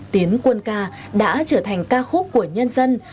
tiến quân ca đã trở thành ca khúc của nhân dân